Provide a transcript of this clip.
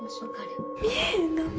見えへん！